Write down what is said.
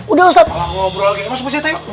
udah ustaz malah gue ngobrol lagi masuk ke jatah yuk